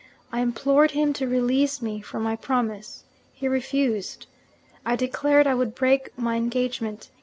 I implored him to release me from my promise. He refused. I declared I would break my engagement.